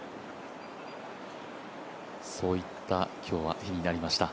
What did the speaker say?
そういった今日は日になりました。